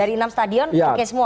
dari enam stadion oke semua